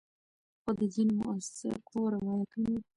خو د ځینو مؤثقو روایتونو